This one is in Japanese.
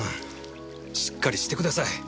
しっかりしてください！